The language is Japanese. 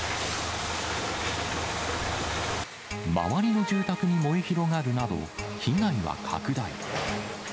周りの住宅に燃え広がるなど被害は拡大。